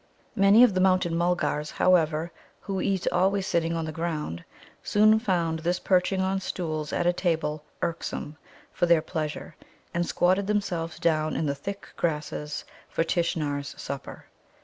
Many of the Mountain mulgars, however, who eat always sitting on the ground, soon found this perching on stools at a table irksome for their pleasure, and squatted themselves down in the thick grasses for Tishnar's supper.